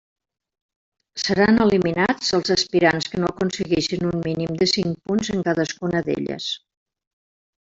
Seran eliminats els aspirants que no aconsegueixin un mínim de cinc punts en cadascuna d'elles.